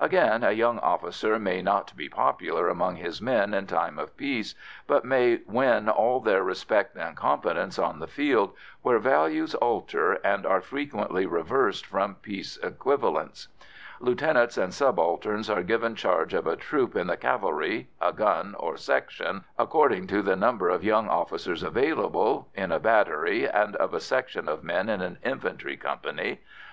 Again, a young officer may not be popular among his men in time of peace, but may win all their respect and confidence on the field, where values alter and are frequently reversed from peace equivalents. Lieutenants and subalterns are given charge of a troop in the cavalry, a gun or section according to the number of young officers available in a battery and of a section of men in an infantry company.